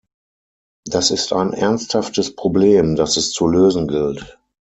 Das ist ein ernsthaftes Problem, das es zu lösen gilt.